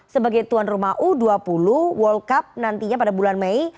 sebagai tuan rumah u dua puluh world cup nantinya pada bulan mei